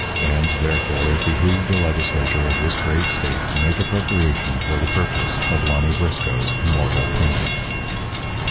And, therefore, it behooved the legislature of this great state to make appropriation for the purchase of Lonny Briscoe's immortal painting.